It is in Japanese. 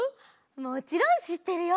もちろんしってるよ。